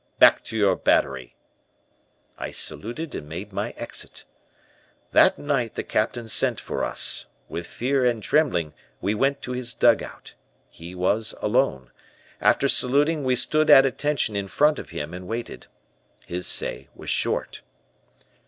Back to your battery.' "I saluted and made my exit. "That night the Captain sent for us. With fear and trembling we went to his dugout. He was alone. After saluting, we stood at attention in front of him and waited. His say was short.